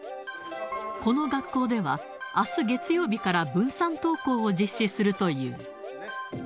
この学校では、あす月曜日から分散登校を実施するという。